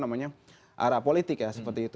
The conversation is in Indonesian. arah politik seperti itu